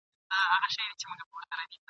په چل ول کي بې جوړې لکه شیطان وو !.